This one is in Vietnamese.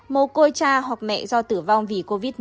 mồ côi cha hoặc mẹ do tử vong vì covid một mươi chín